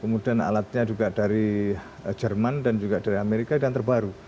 kemudian alatnya juga dari jerman dan juga dari amerika dan terbaru